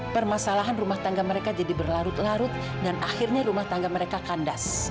permasalahan rumah tangga mereka jadi berlarut larut dan akhirnya rumah tangga mereka kandas